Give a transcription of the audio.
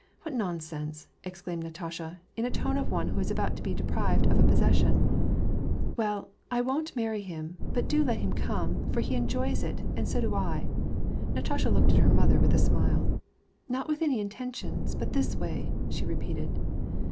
What nonsense !" exclaimed Natasha, in the tone of one who is about to be deprived of a possession. " Well, I won't marry him ; but do let him come, for he enjoys it, and so do I." Natasha looked at her mother with a smile. "Not with any intentions, but this way," she repeated.